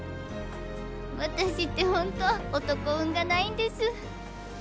私ってほんと男運がないんです。